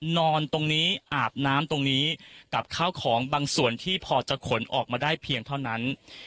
นอนตรงนี้อาบน้ำตรงนี้กับข้าวของบางส่วนที่พอจะขนออกมาได้เพียงเท่านั้น